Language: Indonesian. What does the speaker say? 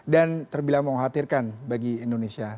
dan terbilang mengkhawatirkan bagi indonesia